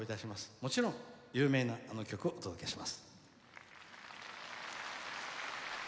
もちろん、有名な歌をお届けします。